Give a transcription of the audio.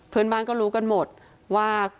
เพื่อนบ้านก็รู้กันหมดว่า